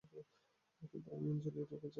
কিন্তু আমি আঞ্জলির কাছে ওয়াদা করেছি।